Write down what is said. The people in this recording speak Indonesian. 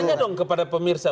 tanya dong kepada pemirsa